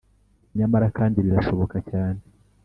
Nyamara kandi birashoboka cyane